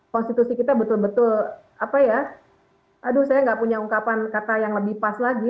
konstitusi kita betul betul apa ya aduh saya nggak punya ungkapan kata yang lebih pas lagi